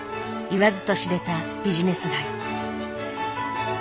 言わずと知れたビジネス街。